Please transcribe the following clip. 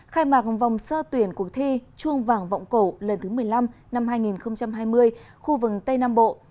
khai mạc vòng sơ tuyển cuộc thi chuông vàng vọng cổ lần thứ một mươi năm năm hai nghìn hai mươi khu vực tây nam bộ